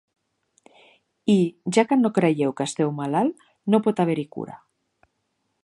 I, ja que no creieu que esteu malalt, no pot haver-hi cura.